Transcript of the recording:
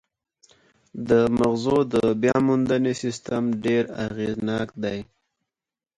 د مغزو د بیاموندنې سیستم ډېر اغېزناک دی.